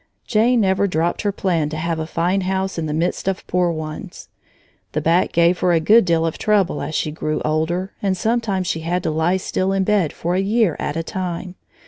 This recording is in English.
Jane never dropped her plan to have a fine house in the midst of poor ones. The back gave her a good deal of trouble as she grew older, and sometimes she had to lie still in bed for a year at a time.